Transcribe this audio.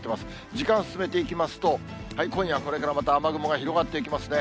時間進めていきますと、今夜これからまた雨雲が広がっていきますね。